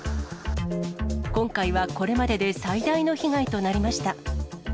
今回はこれまでで最大の被害となりました。